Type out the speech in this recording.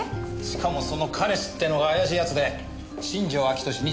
しかもその彼氏ってのが怪しい奴で新庄彰俊２８歳。